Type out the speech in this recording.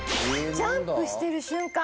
ジャンプしてる瞬間。